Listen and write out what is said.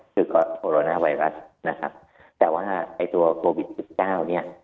คือก็โคโรนาไวรัสนะครับแต่ว่าไอ้ตัวโกวิส๑๙เนี่ย